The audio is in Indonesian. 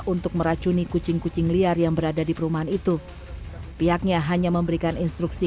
untuk meracuni kucing kucing liar yang berada di perumahan itu pihaknya hanya memberikan instruksi